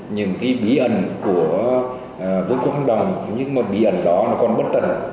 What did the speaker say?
những bí ẩn của vương quốc hành động nhưng mà bí ẩn đó còn bất tận